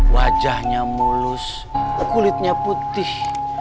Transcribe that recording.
wajahnya mulus kulitnya putih